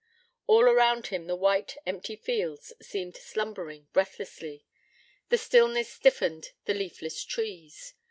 All around him the white, empty fields seemed slumbering breathlessly. The stillness stiffened the leafless trees.